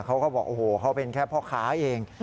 เขาก็บอกโอ้โหเขาเป็นแค่พ่อค้าเอง